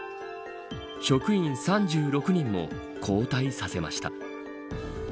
職員３６人も交代させました。